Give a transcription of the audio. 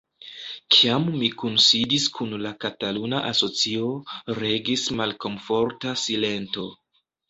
Kiam mi kunsidis kun la kataluna asocio, regis malkomforta silento.